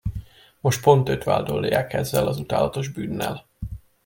Most pont őt vádolják ezzel az utálatos bűnnel.